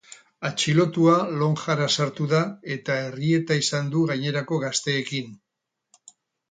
Atxilotua lonjara sartu da, eta errieta izan du gainerako gazteekin.